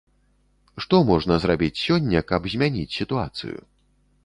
Што можна зрабіць сёння, каб змяніць сітуацыю?